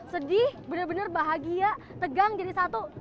sedih benar benar bahagia tegang jadi satu